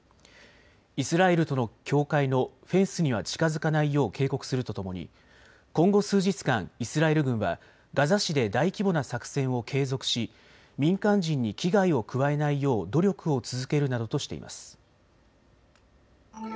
イスラエルとの境界のフェンスには近づかないよう警告するとともに今後数日間、イスラエル軍はガザ市で大規模な作戦を継続し民間人に危害を加えないよう努力を続けるなどとしています。